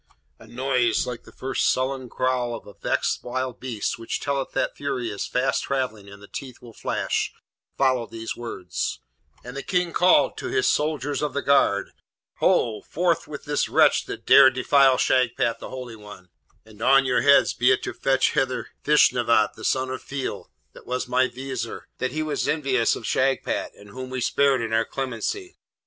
A noise like the first sullen growl of a vexed wild beast which telleth that fury is fast travelling and the teeth will flash, followed these words; and the King called to his soldiers of the guard, 'Ho! forth with this wretch that dared defile Shagpat, the holy one! and on your heads be it to fetch hither Feshnavat, the son of Feil, that was my Vizier, he that was envious of Shagpat, and whom we spared in our clemency.'